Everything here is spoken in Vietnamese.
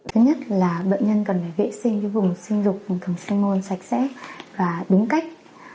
thứ nhất là bệnh nhân cần phải vệ sinh với vùng sinh dục vùng thầm sinh môn sạch sẽ và đúng cách